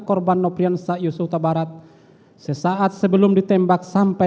korban noprian sehat dan berpikir diatas